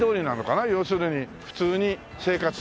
要するに普通に生活する。